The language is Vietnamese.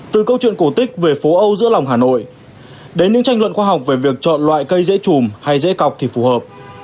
từ câu chuyện cổ tích về phố âu giữa lòng hà nội đến những tranh luận khoa học về việc chọn loại cây dễ chùm hay dễ cọc thì phù hợp